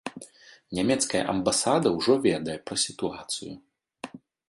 Нямецкая амбасада ўжо ведае пра сітуацыю.